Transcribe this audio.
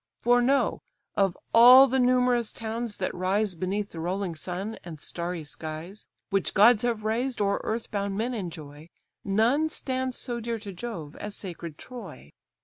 For know, of all the numerous towns that rise Beneath the rolling sun and starry skies, Which gods have raised, or earth born men enjoy, None stands so dear to Jove as sacred Troy.